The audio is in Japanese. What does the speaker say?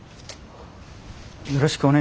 よろしくお願いします。